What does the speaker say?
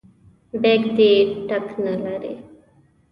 بیک دې ټک نه لري.